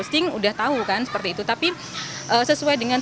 ini mengingin saya untuk memper terminikan ke keadilan